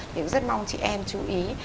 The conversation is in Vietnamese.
thì rất mong chị em chú ý